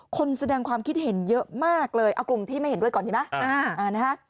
คนแสดงความคิดเห็นเยอะมากเลยเอากลุ่มที่ไม่เห็นด้วยก่อนดีไหม